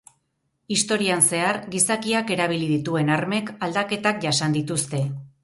Historian zehar, gizakiak erabili dituen armek, aldaketak jasan dituzte.